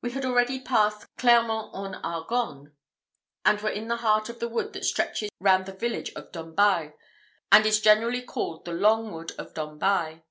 We had already passed Clermont en Argonne, and were in the heart of the wood that stretches round the village of Domballe, and which is generally called the long wood of Domballe.